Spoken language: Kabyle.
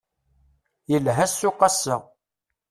Yelha ssuq ass-a.